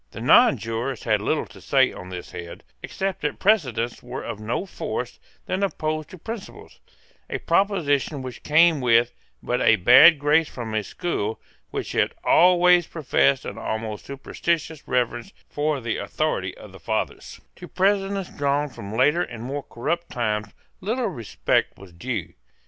The nonjurors had little to say on this head, except that precedents were of no force when opposed to principles, a proposition which came with but a bad grace from a school which had always professed an almost superstitious reverence for the authority of the Fathers, To precedents drawn from later and more corrupt times little respect was due.